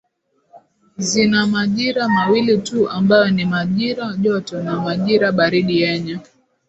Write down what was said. zina majira mawili tu ambayo ni majirajoto na majirabaridi yenye